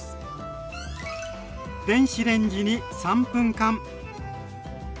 電子レンジに３分間。